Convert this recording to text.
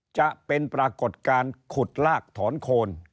จะเป็นปรากฏการณ์ขุดลากถอนโคน